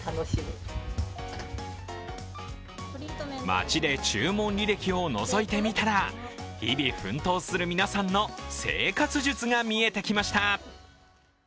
街で注文履歴を覗いてみたら、日比奮闘する皆さんの生活術が見えてきました。